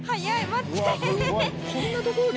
待って。